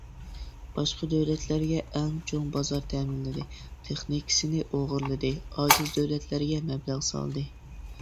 باشقا دۆلەتلەرگە ئەڭ چوڭ بازار تەمىنلىدى، تېخنىكىسىنى ئوغرىلىدى، ئاجىز دۆلەتلەرگە مەبلەغ سالدى.